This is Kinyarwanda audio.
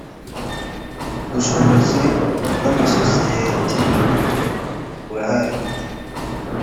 ubushobozi bw amasosiyeti burahari